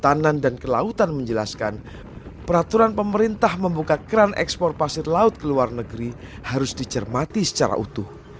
tatanan dan kelautan menjelaskan peraturan pemerintah membuka keran ekspor pasir laut ke luar negeri harus dicermati secara utuh